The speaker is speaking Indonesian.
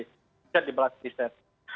riset dibalas riset